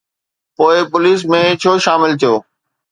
پوءِ پوليس ۾ ڇو شامل ٿيو؟